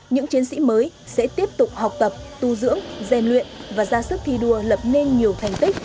những chiến sĩ mới sẽ tiếp tục học tập tu dưỡng rèn luyện và ra sức thi đua lập nên nhiều thành tích